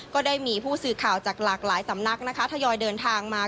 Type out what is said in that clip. ก็ได้มีผู้สื่อข่าวจากหลากหลายสำนักนะคะทยอยเดินทางมา